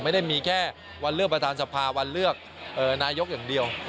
ไม่ได้มีแค่วันเลือกประธานสภาวันเลือกนายกอย่างเดียว